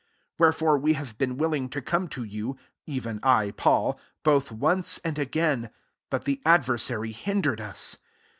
18 Wherefore we have been willing to come to you (even I Paul) both once and again; but the adversary hindered us.